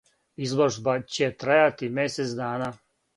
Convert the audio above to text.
Изложба ће трајати месец дана.